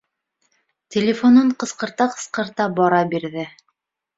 Телефонын ҡысҡырта-ҡысҡырта бара бирҙе.